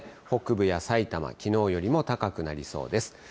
北部やさいたま、きのうよりも高くなりそうです。